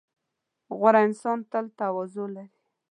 • غوره انسان تل تواضع لري.